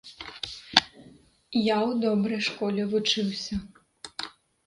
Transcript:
Я ў добрай школе вучыўся.